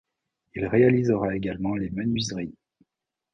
Il réalisera également les menuiseries.